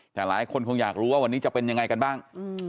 แต่หลายคนคงอยากรู้ว่าวันนี้จะเป็นยังไงกันบ้าง